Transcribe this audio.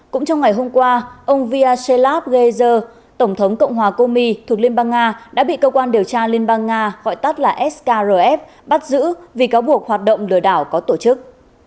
cũng trong ngày hôm qua ông vyashilat ghezer tổng thống cộng hòa komi thuộc liên bang nga đã bị cơ quan điều tra liên bang nga gọi tắt là skrf bắt giữ vì cáo buộc hoạt động lừa đảo có tổ chức